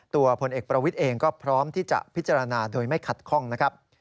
ผลเอกประวิทย์เองก็พร้อมที่จะพิจารณาโดยไม่ขัดข้องนะครับ